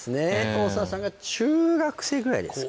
大沢さんが中学生ぐらいですか？